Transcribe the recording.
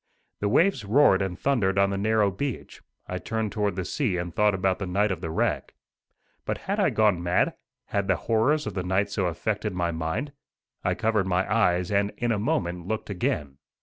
The waves roared and thundered on the narrow beach. I turned toward the sea and thought about the night of the wreck. But had I gone mad? Had the horrors of the night so affected my mind? I covered my eyes, and in a moment looked again.